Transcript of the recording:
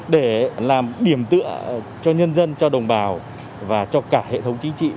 để làm điểm tựa cho nhân dân cho đồng bào và cho cả hệ thống chính trị